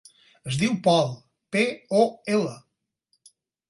Es diu Pol: pe, o, ela.